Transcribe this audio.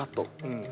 うん。